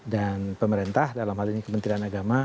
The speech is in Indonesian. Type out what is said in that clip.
dan pemerintah dalam hal ini kementerian agama